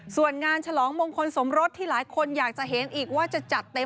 ส่วนงานฉลองมงคลสมรสที่หลายคนอยากจะเห็นอีกว่าจะจัดเต็ม